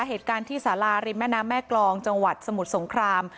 เหตุการณ์ที่สาราริมแม่น้ำแม่กรองจังหวัดสมุทรสงคราม